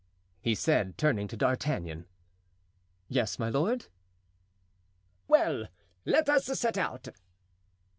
he said, turning to D'Artagnan. "Yes, my lord." "Well, let us set out."